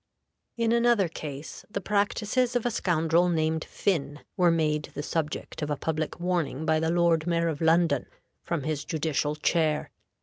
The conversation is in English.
In another case, the practices of a scoundrel named Phinn were made the subject of a public warning by the Lord Mayor of London from his judicial chair.